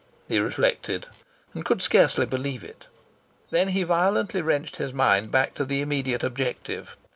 he reflected, and could scarcely believe it. Then he violently wrenched his mind back to the immediate objective.